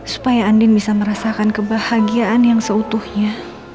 supaya andin bisa merasakan kebahagiaan yang seutuhnya